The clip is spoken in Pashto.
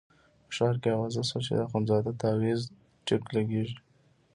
په ښار کې اوازه شوه چې د اخندزاده تاویز ټیک لګېږي.